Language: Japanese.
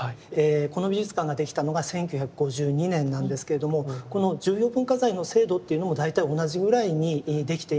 この美術館が出来たのが１９５２年なんですけれどもこの重要文化財の制度というのも大体同じぐらいに出来ています。